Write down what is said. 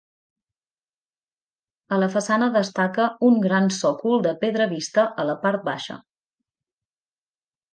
A la façana destaca un gran sòcol de pedra vista a la part baixa.